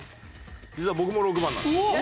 実は僕も６番なんですよ。